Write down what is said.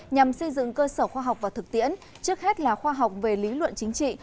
nhằm xây dựng cơ sở khoa học và thực tiễn trước hết là khoa học về lý luận chính trị